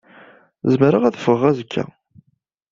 Zemreɣ ad ffɣeɣ azekka.